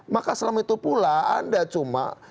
maka selama itu pula anda cuma